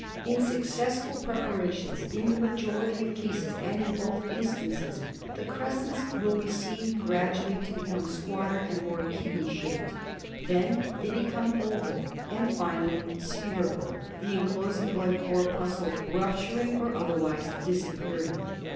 In successful preparations, in the majority of cases and in both instances, the crescents will be seen gradually to become squatter and more kidney shaped. Then they become oval, and finally spherical, the enclosing blood corpuscle rupturing or otherwise disappearing.